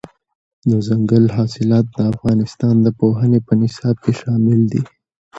دځنګل حاصلات د افغانستان د پوهنې په نصاب کې شامل دي.